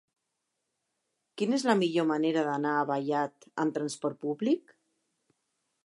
Quina és la millor manera d'anar a Vallat amb transport públic?